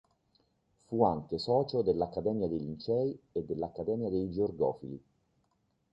Fu anche socio dell'Accademia dei Lincei e dell'Accademia dei Georgofili.